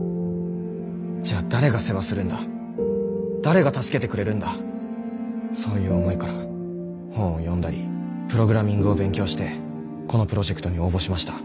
じゃあ誰が世話するんだ誰が助けてくれるんだそういう思いから本を読んだりプログラミングを勉強してこのプロジェクトに応募しました。